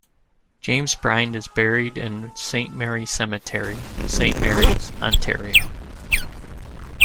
James Brine is buried in Saint Marys Cemetery, Saint Marys, Ontario.